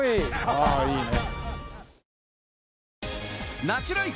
ああいいね。